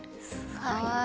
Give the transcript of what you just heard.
はい。